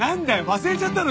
忘れちゃったの？